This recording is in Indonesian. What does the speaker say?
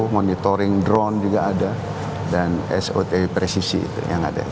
satu ratus sepuluh monitoring drone juga ada dan sop presisi itu yang ada